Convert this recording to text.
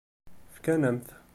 Fkan-am-t.